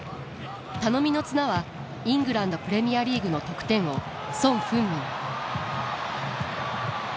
頼みの綱はイングランド・プレミアリーグの得点王ソン・フンミン。